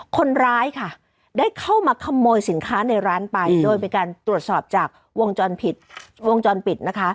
คนร้ายค่ะได้เข้ามาขโมยสินค้าในร้านไปโดยมีการตรวจสอบจากวงจรปิดวงจรปิดนะคะ